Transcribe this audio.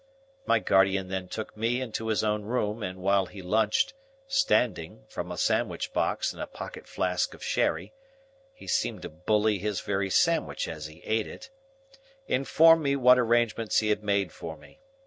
My guardian then took me into his own room, and while he lunched, standing, from a sandwich box and a pocket flask of sherry (he seemed to bully his very sandwich as he ate it), informed me what arrangements he had made for me.